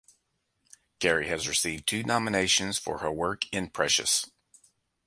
Carey has received two nominations for her work in "Precious".